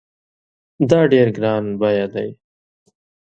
دا ډېر ګران بیه دی